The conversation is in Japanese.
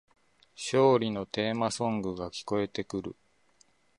勝利のテーマソングが聞こえてくる